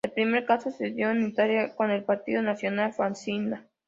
El primer caso se dio en Italia con el Partido Nacional Fascista.